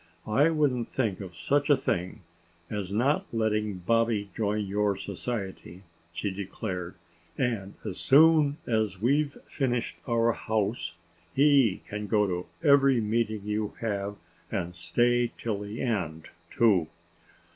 "I wouldn't think of such a thing as not letting Bobby join your Society," she declared. "And as soon as we've finished our new house he can go to every meeting you have, and stay till the end, too."